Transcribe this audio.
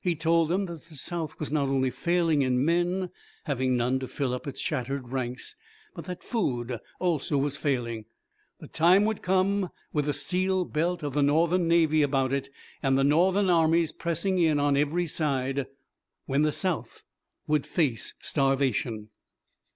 He told them that the South was not only failing in men, having none to fill up its shattered ranks, but that food also was failing. The time would come, with the steel belt of the Northern navy about it and the Northern armies pressing in on every side, when the South would face starvation.